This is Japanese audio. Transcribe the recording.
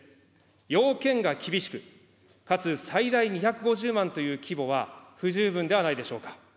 要件が厳しく、かつ最大２５０万という規模は不十分ではないでしょうか。